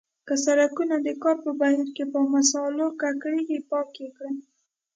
که سړکونه د کار په بهیر کې په مسالو ککړیږي پاک یې کړئ.